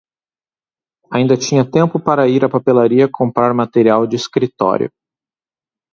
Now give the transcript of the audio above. Ainda tinha tempo para ir à papelaria comprar material de escritório.